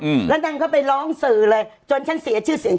อืมแล้วนางก็ไปร้องสื่อเลยจนฉันเสียชื่อเสียง